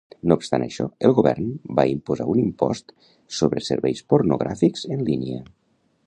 No obstant això, el govern va imposar un impost sobre serveis pornogràfics en línia.